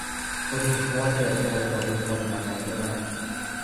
วันนี้โค้ดเดอร์โดโจมีคนมากันเยอะมาก